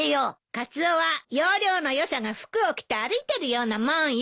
カツオは要領の良さが服を着て歩いてるようなもんよ。